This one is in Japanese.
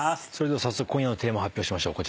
では早速今夜のテーマ発表しましょう。